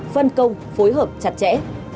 phân công phối hợp chặt chẽ